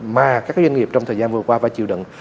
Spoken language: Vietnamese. mà các doanh nghiệp trong thời gian vừa qua phải chịu đựng